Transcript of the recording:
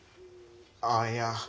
あっいや